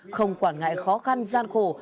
không quản ngại khó khăn gian khóa